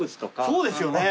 そうですよね。